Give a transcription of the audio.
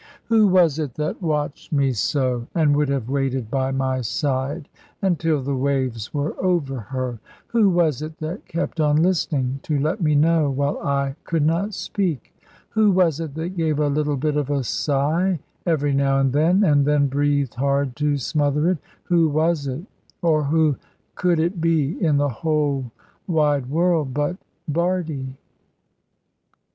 Who was it that watched me so, and would have waited by my side, until the waves were over her? Who was it that kept on listening, to let me know, while I could not speak? Who was it that gave a little bit of a sigh, every now and then, and then breathed hard to smother it? Who was it, or who could it be, in the whole wide world, but Bardie?